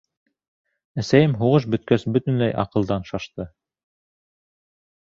Әсәйем һуғыш бөткәс бөтөнләй аҡылдан шашты.